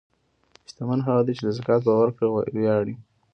شتمن هغه دی چې د زکات په ورکړه ویاړي.